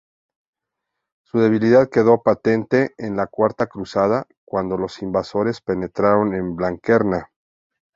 Su debilidad quedó patente en la cuarta Cruzada, cuando los invasores penetraron en Blanquerna.